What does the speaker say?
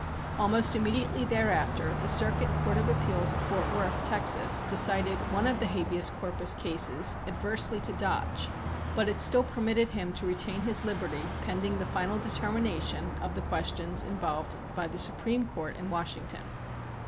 Almost immediately thereafter the Circuit Court of Appeals at Fort Worth, Texas, decided one of the habeas corpus cases adversely to Dodge but it still permitted him to retain his liberty pending the final determination of the questions involved by the Supreme Court at Washington.